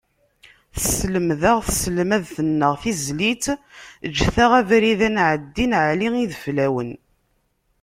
Tselmed-aɣ tselmadt-nneɣ tizlit eǧǧet-aɣ abrid ad nɛeddin n Ɛli Ideflawen.